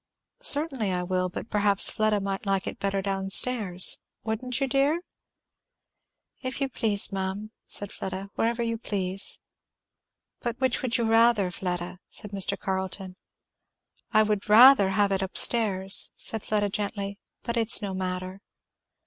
"Certainly I will, but perhaps Fleda might like it better down stairs. Wouldn't you, dear?" "If you please, ma'am," said Fleda. "Wherever you please." "But which would you rather, Fleda?" said Mr. Carleton. "I would rather have it up stairs," said Fleda gently, "but it's no matter."